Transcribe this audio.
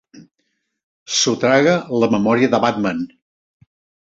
Sotraga la memòria de Batman.